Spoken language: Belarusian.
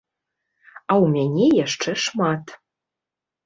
А ў мяне яшчэ шмат.